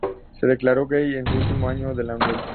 Se declaró gay en su último año de universidad.